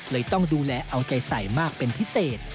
ต้องดูแลเอาใจใส่มากเป็นพิเศษ